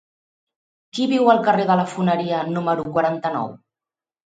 Qui viu al carrer de la Foneria número quaranta-nou?